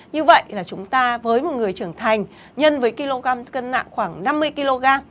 như vậy là chúng ta với một người trưởng thành nhân với kg cân nặng khoảng năm mươi kg